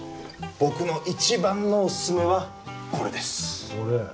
僕の一番のオススメはこれです。どれ。